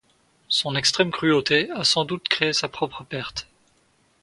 Son extrême cruauté a sans doute créé sa propre perte.